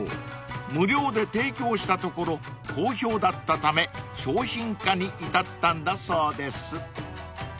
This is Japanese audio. ［無料で提供したところ好評だったため商品化に至ったんだそうです］